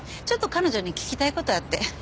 ちょっと彼女に聞きたい事あって。